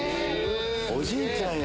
おじいちゃんや。